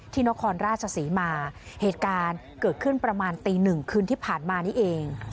นครราชศรีมาเหตุการณ์เกิดขึ้นประมาณตีหนึ่งคืนที่ผ่านมานี้เอง